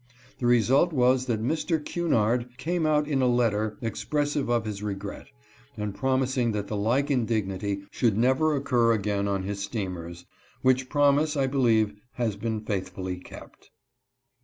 The result was that Mr. Cunard came out in a letter express ive of his regret, and promising that the like indignity should never occur again on his steamers, which promise I believe has been faithfully kept.